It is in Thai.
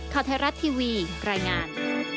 ข่าวไทยรัฐทีวีรายงาน